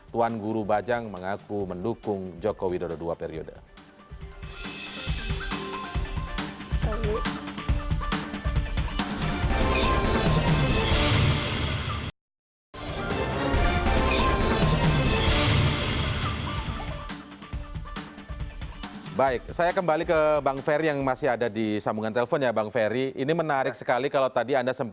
tuan guru bajak mengaku mendukung jokowi dua periode